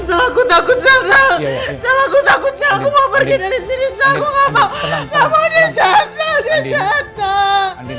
aku takut takut aku takut aku mau pergi dari sini aku ngomong ngomong